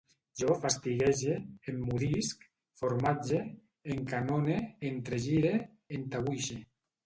Jo fastiguege, emmudisc, formatge, encanone, entregire, entabuixe